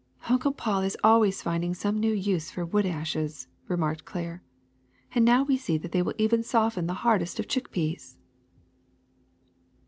'''^ Uncle Paul is always finding some new use for wood ashes," remarked Claire; "and now we see that they will soften even the hardest of chick peas."